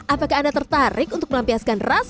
apakah anda tertarik untuk melampiaskan rasa